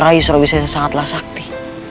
rai surah wisayih sangatlah sakti